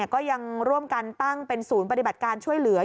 ก็ยังร่วมกันตั้งเป็นศูนย์ปฏิบัติการช่วยเหลือ